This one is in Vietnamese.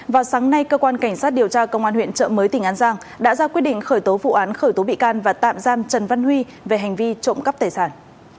vào sáng nay cơ quan cảnh sát điều tra công an huyện trợ mới tỉnh an giang đã ra quyết định khởi tố vụ án khởi tố bị can và tạm giam trần văn huy về hành vi trộm cắp tài sản